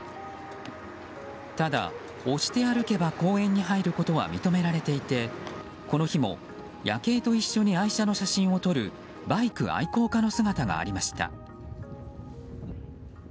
ただ、押して歩けば公園に入ることは認められていてこの日も夜景と一緒に愛車の写真を撮るバイク愛好家の姿がありました。